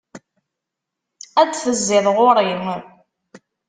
Ad d-tezziḍ ɣur-i.